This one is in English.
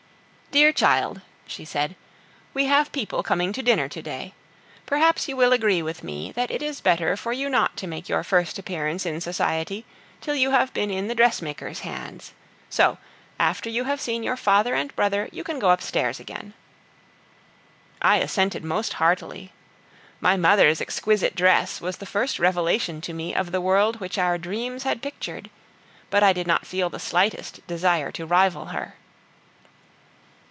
"Dear child," she said, "we have people coming to dinner to day. Perhaps you will agree with me that it is better for you not to make your first appearance in society till you have been in the dressmaker's hands; so, after you have seen your father and brother, you can go upstairs again." I assented most heartily. My mother's exquisite dress was the first revelation to me of the world which our dreams had pictured; but I did not feel the slightest desire to rival her.